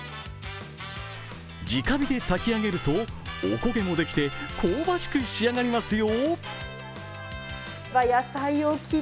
直火で炊き上げると、おこげもできて香ばしく仕上がりますよ。